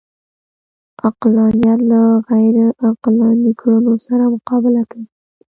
عقلانیت له غیرعقلاني کړنو سره مقابله کوي